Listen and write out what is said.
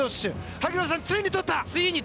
萩野さん、ついにとった！